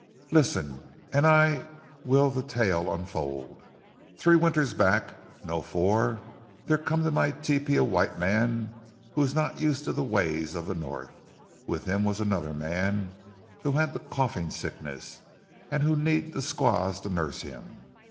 "Listen and I veel the tale unfold. Tree winters back, no four! dere come to my tepee a white man who was not used to ze ways of ze North. With him vas another mans who had ze coughing sickness, and who need the squaws to nurse him.